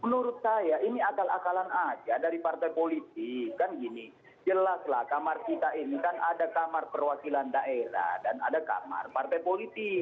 menurut saya ini akal akalan aja dari partai politik kan gini jelaslah kamar kita ini kan ada kamar perwakilan daerah dan ada kamar partai politik